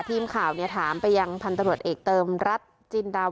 ทีมข่าวถามไปยังพันตรวจเอกเติมรัตต์จินดาวัสธ์